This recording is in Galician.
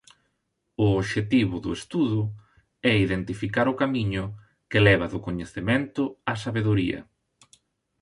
O obxectivo do estudo é identificar o camiño que leva do coñecemento á sabedoría.